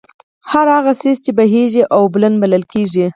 هر هغه څيز چې بهېږي، اوبلن بلل کيږي